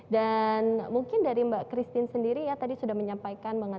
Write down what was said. dan mungkin dari mbak christine sendiri ya tadi sudah menyampaikan mengenai